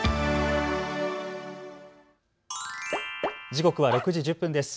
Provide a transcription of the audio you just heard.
時刻は６時１０分です。